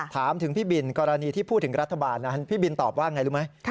ถามถึงพี่บินกรณีที่พูดถึงรัฐบาลนั้นพี่บินตอบว่าไงรู้ไหม